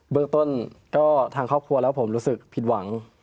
เรื่องต้นก็ทางครอบครัวแล้วผมรู้สึกผิดหวัง